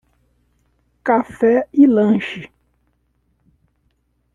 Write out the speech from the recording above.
Café e lanche